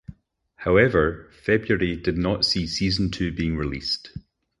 However February did not see season two being released.